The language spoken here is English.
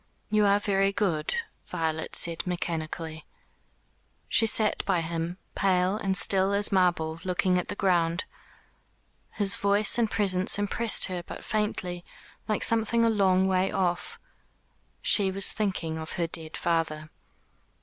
"You are very good," Violet said mechanically. She sat by him, pale and still as marble, looking at the ground. His voice and presence impressed her but faintly, like something a long way off. She was thinking of her dead father.